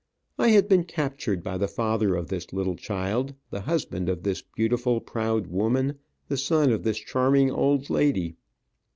I had been captured by the father of this little child, the husband of this beautiful, proud woman, the son of this charming old lady.